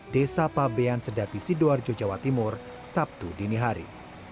desa pabean sedati sidoarjo jawa timur sabtu dini hari